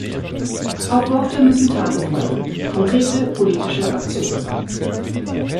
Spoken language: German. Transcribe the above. Auf Worte müssen Taten folgen, konkrete politische Aktionen.